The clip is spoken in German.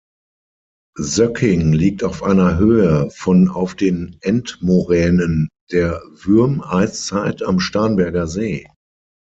Söcking liegt auf einer Höhe von auf den Endmoränen der Würmeiszeit am Starnberger See.